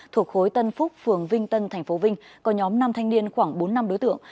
thuộc khối tân phúc phường vinh tân tp vinh có nhóm năm thanh niên khoảng bốn năm đối tượng